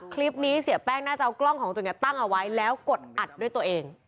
คลิปนี้เสียแป้งน่าจะเอากล้องของตัวเองตั้งเอาไว้แล้วกดอัดด้วยตัวเอง